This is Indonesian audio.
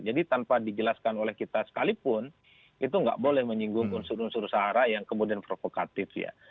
jadi tanpa dijelaskan oleh kita sekalipun itu tidak boleh menyinggung unsur unsur sara yang kemudian provokatif ya